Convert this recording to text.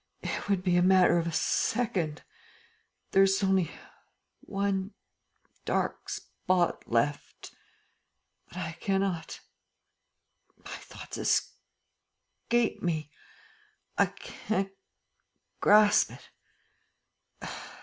It would be a matter of a second! There is only one dark spot left ... but I cannot ... my thoughts escape me. ... I can't grasp it